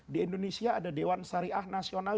di indonesia ada dewan syariah nasional